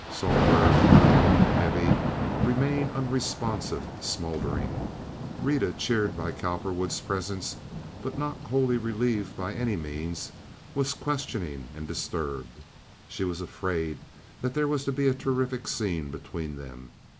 Sohlberg, brooding and heavy, remained unresponsive, smoldering; Rita, cheered by Cowperwood's presence, but not wholly relieved by any means, was questioning and disturbed. She was afraid there was to be a terrific scene between them.